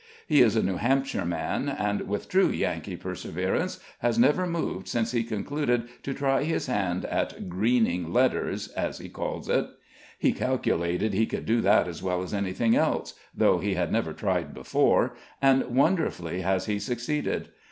He is a New Hampshire man; and, with true Yankee perseverance, has never moved since he concluded to try his hand at "greening letters," as he calls it. He "calculated he could do that as well as anything else, though he had never tried before," and wonderfully has he succeeded.